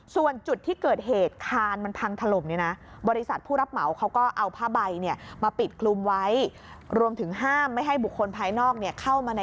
ส่วนจุดที่เกิดเหตุคานมันพังถล่มนี่นะ